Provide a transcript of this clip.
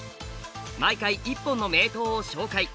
毎回１本の名刀を紹介。